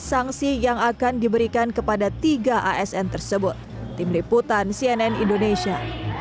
sanksi yang akan diberikan kepada tiga asn tersebut tim liputan cnn indonesia